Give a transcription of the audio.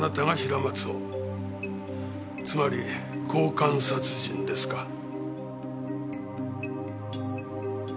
つまり交換殺人ですか。